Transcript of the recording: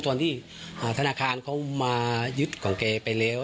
ตอนที่ธนาคารเขามายึดของแกไปแล้ว